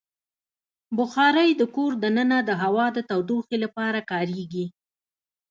بخاري د کور دننه د هوا د تودوخې لپاره کارېږي.